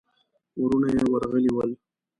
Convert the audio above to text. وروڼه يې ورغلي ول.